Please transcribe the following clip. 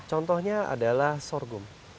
contohnya adalah sorghum